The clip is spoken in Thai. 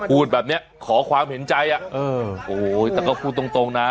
พูดแบบเนี้ยขอความเห็นใจอ่ะเออโอ้โหแต่ก็พูดตรงตรงนะ